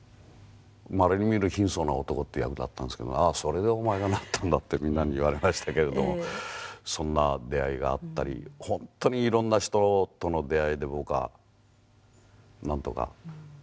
「まれに見る貧相な男」っていう役だったんですけど「ああそれでお前がなったんだ」ってみんなに言われましたけれどもそんな出会いがあったり僕のふるい大親友です。